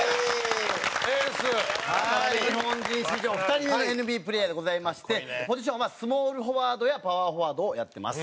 エース！日本人史上２人目のＮＢＡプレーヤーでございましてポジションはスモールフォワードやパワーフォワードをやってます。